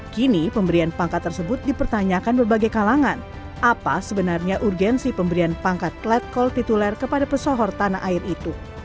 kini pemberian pangkat tersebut dipertanyakan berbagai kalangan apa sebenarnya urgensi pemberian pangkat letkol tituler kepada pesohor tanah air itu